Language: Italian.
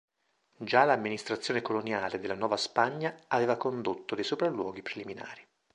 Già l'amministrazione coloniale della Nuova Spagna aveva condotto dei sopralluoghi preliminari.